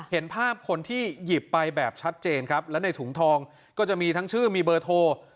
เห็นภาพคนที่หยิบไปแบบชัดเจนครับแล้วในถุงทองก็จะมีทั้งชื่อมีเบอร์โทร